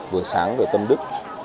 vừa sáng vừa tâm đức